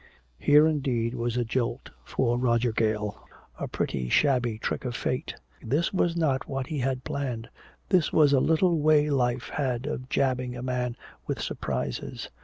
Here indeed was a jolt for Roger Gale, a pretty shabby trick of fate. This was not what he had planned, this was a little way life had of jabbing a man with surprises.